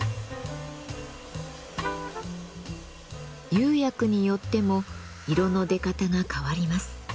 釉薬によっても色の出方が変わります。